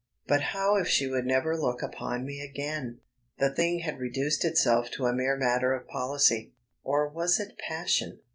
But how if she would never look upon me again? The thing had reduced itself to a mere matter of policy. Or was it passion?